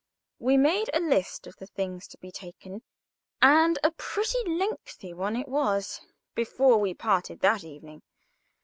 We made a list of the things to be taken, and a pretty lengthy one it was, before we parted that evening.